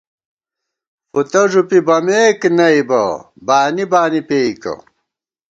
فُتہ ݫُپی بَمېک نئ بہ ، بانی بانی پېئیکہ